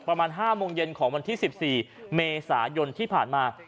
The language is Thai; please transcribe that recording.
ประมาณ๕โมงเย็นของวันที่๑๔เมษายนที่ผ่านมา